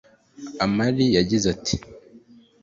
Amir yagize ati